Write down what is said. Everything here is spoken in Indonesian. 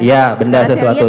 iya benda sesuatu